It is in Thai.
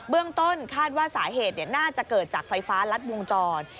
เรื่องต้นคาดว่าสาเหตุน่าจะเกิดจากไฟฟ้ารัดวงจร